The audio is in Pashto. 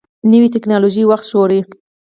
نوې ټکنالوژي وخت ژغوري